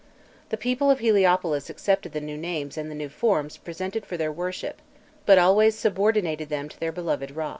The people of Heliopolis accepted the new names and the new forms presented for their worship, but always subordinated them to their beloved Râ.